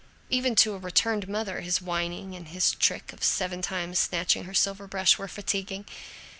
Even to a returned mother, his whining and his trick of seven times snatching her silver brush were fatiguing.